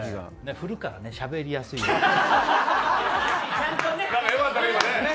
振るから、しゃべりやすいよね。